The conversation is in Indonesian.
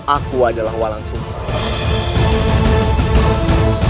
aku adalah walang sungsangang